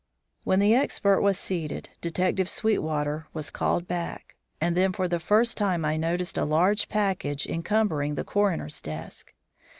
When the expert was seated, Detective Sweetwater was called back. And then for the first time I noticed a large package encumbering the coroner's desk.